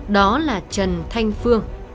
đó là trần thanh phương